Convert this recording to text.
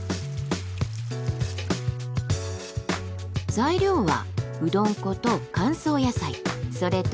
材料はうどん粉と乾燥野菜それとみそ。